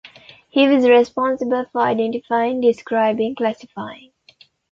He was responsible for identifying, describing, classifying.